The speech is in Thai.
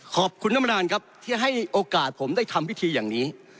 ขอบคุณท่านประธานครับที่ให้โอกาสผมได้ทำพิธีอย่างนี้